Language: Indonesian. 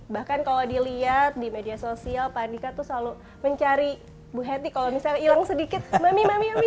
bahkan kalau dilihat di media sosial pak andika tuh selalu mencari bu hetty kalau misalnya hilang sedikit mami bami bami